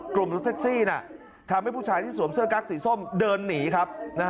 รถแท็กซี่ทำให้ผู้ชายที่สวมเสื้อกั๊กสีส้มเดินหนีครับ